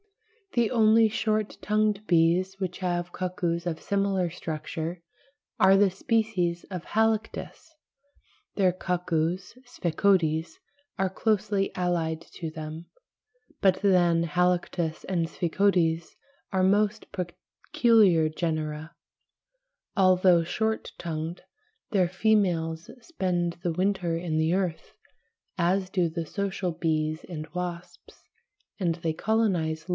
The only short tongued bees which have cuckoos of similar structure are the species of Halictus (pl. B, 12); their cuckoos, Sphecodes (pl. B, 11), are closely allied to them, but then Halictus and Sphecodes are most peculiar genera; although short tongued, their females spend the winter in the earth, as do the social bees and wasps (see p.